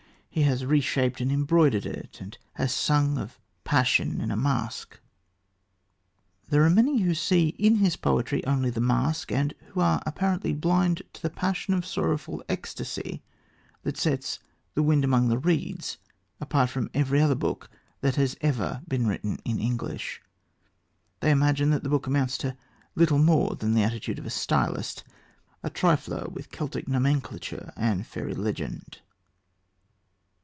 He has reshaped and embroidered it, and has sung of passion in a mask. There are many who see in his poetry only the mask, and who are apparently blind to the passion of sorrowful ecstasy that sets The Wind Among the Reeds apart from every other book that has ever been written in English. They imagine that the book amounts to little more than the attitude of a stylist, a trifler with Celtic nomenclature and fairy legend.